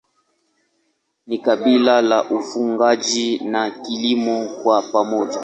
Ni kabila la ufugaji na kilimo kwa pamoja.